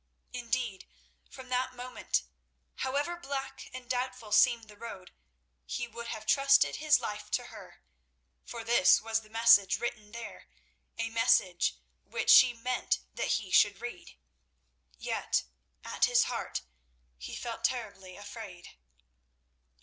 Indeed, from that moment, however black and doubtful seemed the road, he would have trusted his life to her; for this was the message written there, a message which she meant that he should read. Yet at his heart he felt terribly afraid.